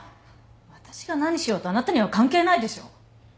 私が何しようとあなたには関係ないでしょ。